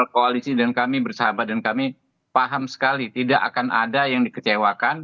koalisi dan kami bersahabat dan kami paham sekali tidak akan ada yang dikecewakan